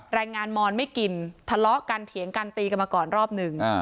แรงงานมอนไม่กินทะเลาะกันเถียงกันตีกันมาก่อนรอบหนึ่ง